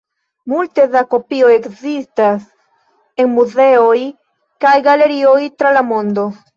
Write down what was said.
Multe da kopioj ekzistas en muzeoj kaj galerioj tra la mondo.